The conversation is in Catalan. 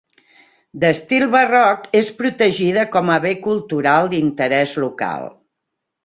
D'estil Barroc és protegida com a bé cultural d'interès local.